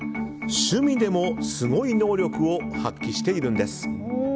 趣味でもすごい能力を発揮しているんです。